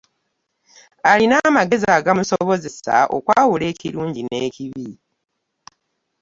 Alina amagezi agamusobozesa okwawula ekirungi ne kibi?